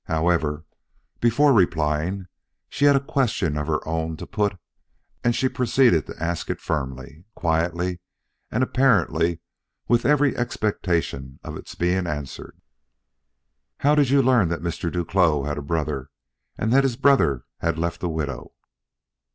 However, before replying, she had a question of her own to put, and she proceeded to ask it firmly, quietly and apparently with every expectation of its being answered: "How did you learn that Mr. Duclos had a brother and that this brother had left a widow?"